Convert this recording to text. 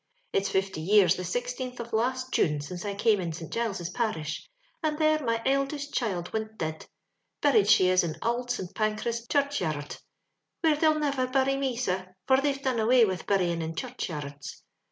It's fifty years the six teenth of last June since I came in St. Giles's parish, and there my ildest child wint did. Buried she is in Ould St Pancras churchyarrud, where they'll never bury me, sir, for they've done away with burying in churchyaiTuds.